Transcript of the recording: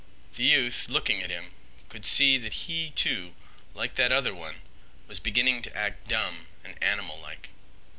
The youth looking at him, could see that he, too, like that other one, was beginning to act dumb and animal like.